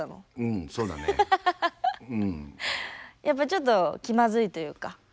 やっぱちょっと気まずいというか。